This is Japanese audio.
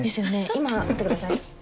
今待ってください。